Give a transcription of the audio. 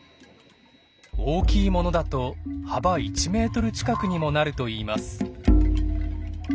大きいものだと幅１メートル近くにもなるといいます。